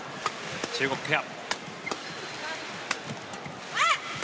中国ペア。